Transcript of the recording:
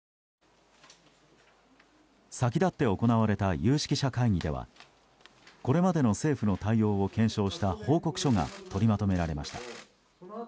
先立って行われた有識者会議ではこれまでの政府の対応を検証した報告書が取りまとめられました。